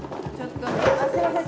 あっすいません